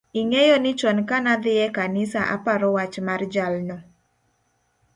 ing'eyo ni chon ka na dhi e kanisa aparo wach mar jalno